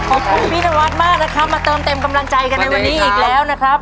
ขอบคุณพี่นวัดมากนะครับมาเติมเต็มกำลังใจกันในวันนี้อีกแล้วนะครับ